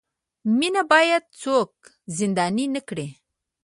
مینه باید څوک زنداني نه کړي.